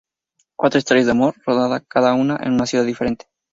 Cuatro historias de amor, rodada cada una en una ciudad diferente.